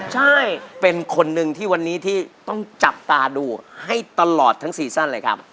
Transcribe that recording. ใช่เป็นคนนึงที่วันนี้ได้จับตาดูให้ตลอดทั้งซีซันนเลยค่ะ